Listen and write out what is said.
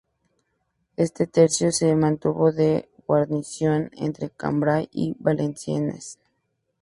Este tercio se mantuvo de guarnición entre Cambrai y Valenciennes.